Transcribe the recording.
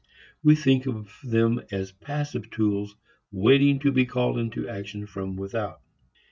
We think of them as passive tools waiting to be called into action from without.